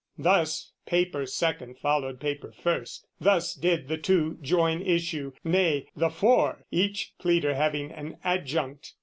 Thus paper second followed paper first, Thus did the two join issue nay, the four, Each pleader having an adjunct.